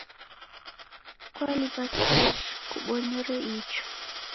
Kwaliw'a sejhi kubonyere icho?